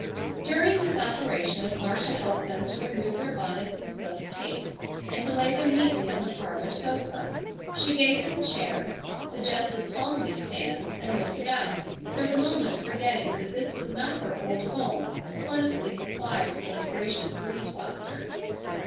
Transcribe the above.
During this operation Marcia helped them to remove their bonnets and silk capes and to lay them neatly on the parlor sofa. She gave them chairs, suggested palm leaf fans, and looked about, for the moment forgetting that this was not her old home plentifully supplied with those gracious breeze wafters.